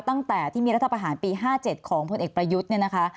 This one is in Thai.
ตั้งแต่ที่มีรัฐประหารปี๕๗ของคุณเอกประยุทธ์